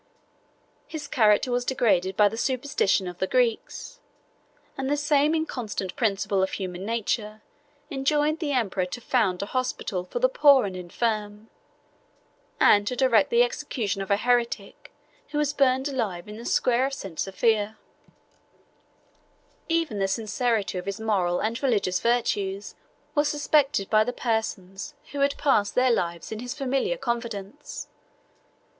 His character was degraded by the superstition of the Greeks; and the same inconsistent principle of human nature enjoined the emperor to found a hospital for the poor and infirm, and to direct the execution of a heretic, who was burned alive in the square of St. Sophia. Even the sincerity of his moral and religious virtues was suspected by the persons who had passed their lives in his familiar confidence.